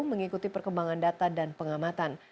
mengikuti perkembangan data dan pengamatan